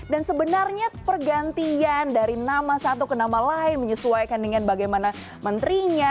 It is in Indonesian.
dan sebenarnya pergantian dari nama satu ke nama lain menyesuaikan dengan bagaimana menterinya